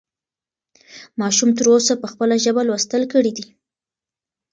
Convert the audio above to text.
ماشوم تر اوسه په خپله ژبه لوستل کړي دي.